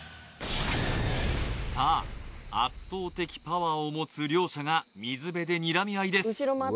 さあ圧倒的パワーを持つ両者が水辺でにらみ合いです